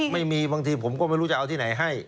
บางทีผมก็ไม่รู้จะเอาที่ไหนให้